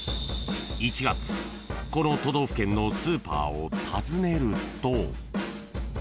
［この都道府県のスーパーを訪ねると］